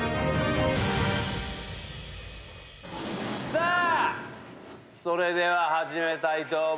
さあそれでは始めたいと思います。